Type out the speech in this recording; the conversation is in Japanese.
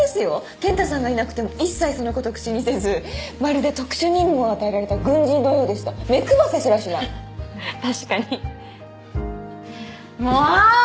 ケンタさんがいなくても一切そのこと口にせずまるで特殊任務を与えられた軍人のようでした目くばせすらしないははっ確かにもう！